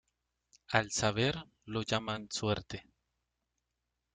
Al saber lo llaman suerte.